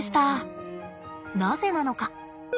なぜなのか。